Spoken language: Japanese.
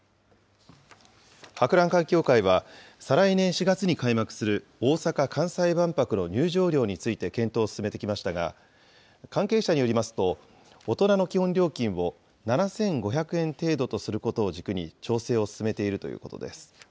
博覧会協会は、再来年４月に開幕する大阪・関西万博の入場料について検討を進めてきましたが、関係者によりますと、大人の基本料金を７５００円程度とすることを軸に調整を進めているということです。